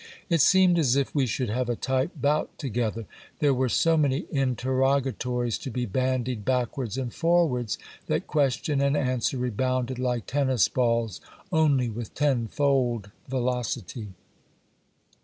It seemed as if we should have a tight bout together. There were so many in terrogatories to be bandied backwards and forwards, that question and answer rebounded like tennis balls, only with tenfold velocity.